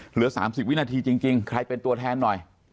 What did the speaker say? เหลือ๓๐วินาทีจริงใครเป็นตัวแทนหน่อย